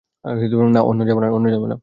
না, অন্য ঝামেলা।